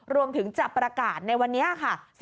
รวมถึงจะประกาศในวันนี้ค่ะ